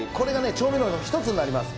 調味料の一つになります。